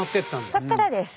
そこからです。